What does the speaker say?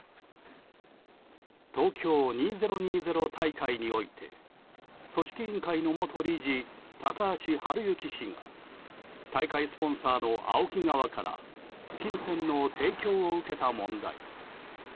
東京２０２０大会において組織委員会の元理事高橋治之氏が大会スポンサーのＡＯＫＩ側から金銭の提供を受けた問題。